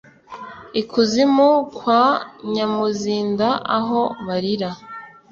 Ikuzimu kwa nyamuzinda aho barira